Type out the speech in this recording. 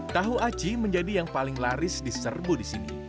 tahu aci menjadi yang paling laris diserbu di sini